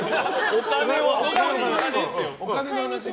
お金の話？